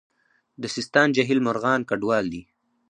د سیستان جهیل مرغان کډوال دي